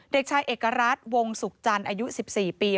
เด็กชายเอกรัฐวงศุกร์จันทร์อายุ๑๔ปี